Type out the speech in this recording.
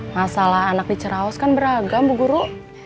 masalah anak di ceraos kan beragam bu guru